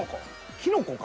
きのこか？